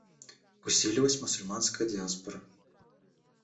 Усилилась мусульманская диаспора.